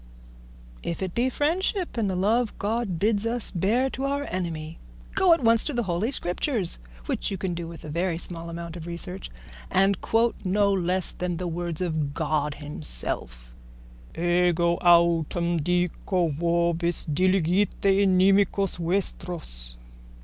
_ "If it be friendship and the love God bids us bear to our enemy, go at once to the Holy Scriptures, which you can do with a very small amount of research, and quote no less than the words of God himself: Ego autem dico vobis: diligite inimicos vestros.